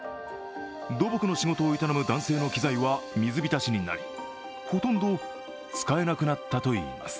土木の仕事を営む男性の機材は水浸しになりほとんど使えなくなったといいます。